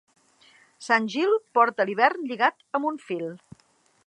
Sant Gil porta l'hivern lligat amb un fil.